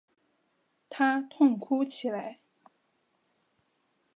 他痛哭起来